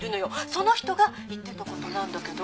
その人が言ってたことなんだけど。